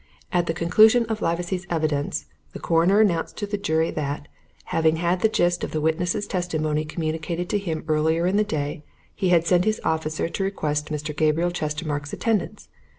"'At the conclusion of Livesey's evidence, the Coroner announced to the jury that, having had the gist of the witness's testimony communicated to him earlier in the day, he had sent his officer to request Mr. Gabriel Chestermarke's attendance.